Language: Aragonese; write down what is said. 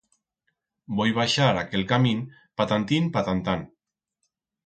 Voi baixar aquel camín patantín-patantán.